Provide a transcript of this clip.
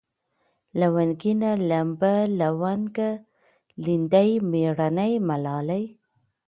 لونگينه ، لمبه ، لونگه ، ليندۍ ، مېړنۍ ، ملالۍ